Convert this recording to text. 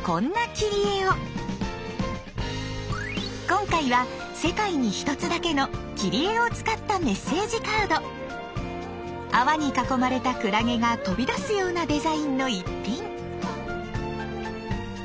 今回は世界に１つだけの切り絵を使った泡に囲まれたクラゲが飛び出すようなデザインの逸品。